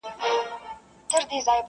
څارنوال او د قاضي که د بابا ده.